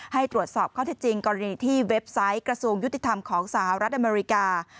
ให้ตรวจสอบข้อที่จริงกรณีที่เว็บไซต์กระทรวงยุติธรรมของสหรัฐอเมริกา